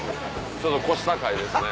ちょっと腰高いですね。